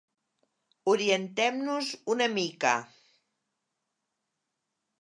Orientem-nos una mica.